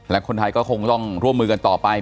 และคนไทยก็คงต้องร่วมมือกันต่อไป